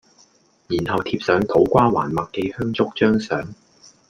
然後貼上土瓜灣麥記香燭張相